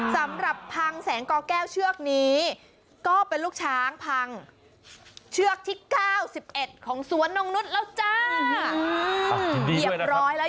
สำหรับพังแสงกอแก้วเชือกนี้ก็เป็นลูกช้างพังเชือกที่๙๑ของสวนนงนุษย์แล้วจ้า